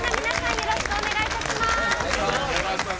よろしくお願いします。